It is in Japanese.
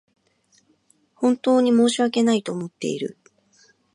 本当に申し訳ないと思っている